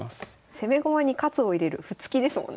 「攻め駒に活を入れる歩突き」ですもんね。